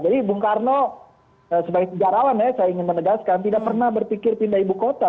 jadi ibu soekarno sebagai sejarawan ya saya ingin menegaskan tidak pernah berpikir pindah ibu kota